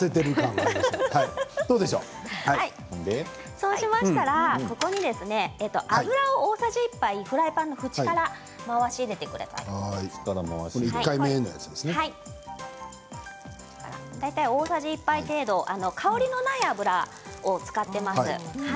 そしたらここに油を大さじ１杯フライパンの縁から回し入れてください。大体大さじ１杯程度香りのない油を使っています。